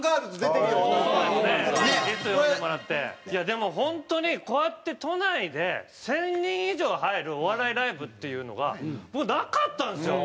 でも本当にこうやって都内で１０００人以上入るお笑いライブっていうのがなかったんですよ。